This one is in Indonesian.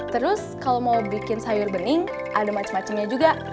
terus kalau mau bikin sayur bening ada macam macamnya juga